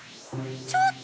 ちょっと！